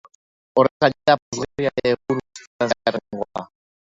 Horrez gainera, puzgarria ere egun guztian zehar egon da.